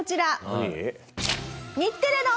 何？